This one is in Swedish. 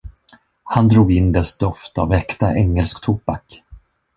Han drog in dess doft av äkta engelsk tobak.